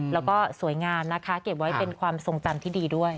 แล้วก็สวยงามนะคะเก็บไว้เป็นความทรงจำที่ดีด้วย